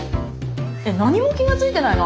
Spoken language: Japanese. えっ何も気が付いてないの？